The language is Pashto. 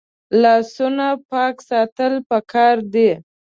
لاسونه پاک ساتل پکار دي